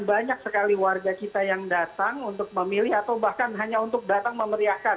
banyak sekali warga kita yang datang untuk memilih atau bahkan hanya untuk datang memeriahkan